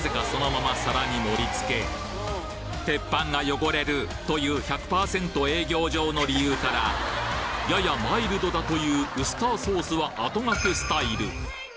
そのまま皿に盛り付け鉄板が汚れるという１００％営業上の理由からややマイルドだというウスターソースは後がけスタイル